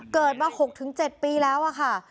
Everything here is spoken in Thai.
เกิดมา๖๗ปีแล้วอะค่ะ